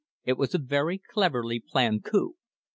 It was a very cleverly planned coup.